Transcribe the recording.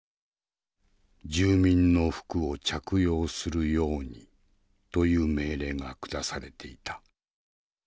「住民の服を着用するように」という命令が下されていた。